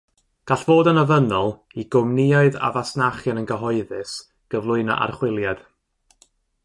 Gall fod yn ofynnol i gwmnïau a fasnachir yn gyhoeddus gyflwyno archwiliad.